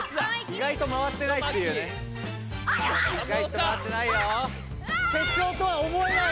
い外と回ってないよ。